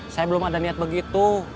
saya belum ada niat begitu